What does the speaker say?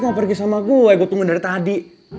mau pergi sama gue gue tunggu dari tadi